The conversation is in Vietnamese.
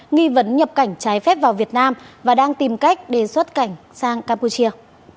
nghi vấn nhập cảnh trái phép vào việt nam và đang tìm cách để xuất cảnh sang campuchia